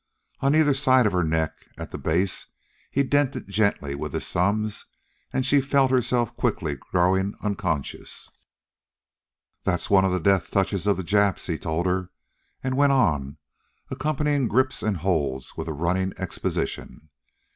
On either side of her neck, at the base, he dented gently with his thumbs, and she felt herself quickly growing unconscious. "That's one of the death touches of the Japs," he told her, and went on, accompanying grips and holds with a running exposition.